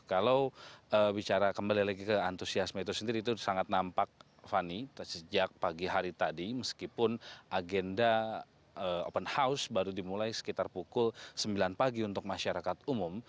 kalau bicara kembali lagi ke antusiasme itu sendiri itu sangat nampak fani sejak pagi hari tadi meskipun agenda open house baru dimulai sekitar pukul sembilan pagi untuk masyarakat umum